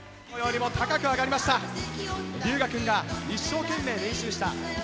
龍芽くんが一生懸命練習した。